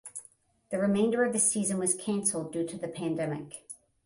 The remainder of the season was cancelled due to the pandemic.